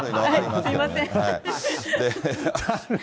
すみません。